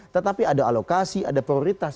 tetapi ada alokasi ada prioritas